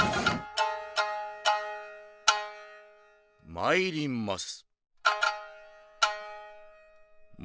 まいります！